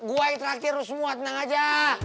gue yang traktir lu semua tenang aja